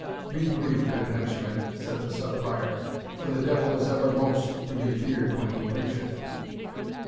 "Be brief, good henchman," said the Sub Prior, "for the devil is ever most to be feared when he preacheth."